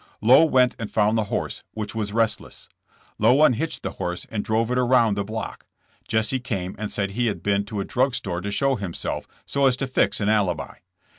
Lowe went and found the horse, which was restless. Lowe unhitched the horse and drove it around the block. Jesse came and said he had been to a drug store to show himself, so as to fix an alibi.